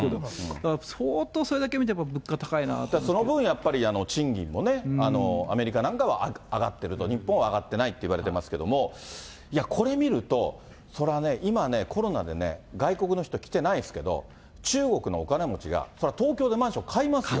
だから、相当、それだけ見ても物価高いなと。その分、賃金なんかはアメリカは高いと、日本は上がってないと言われてますけれども、これ見ると、それはね、今コロナで、外国の人来てないですけど、中国のお金持ちが、それは東京でマンション買いますよ。